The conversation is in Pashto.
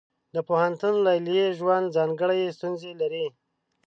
د پوهنتون لیلیې ژوند ځانګړې ستونزې لري.